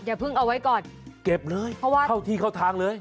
อย่าเพิ่งเอาไว้ก่อนเก็บเลยเพราะว่าเข้าที่เข้าทางเลย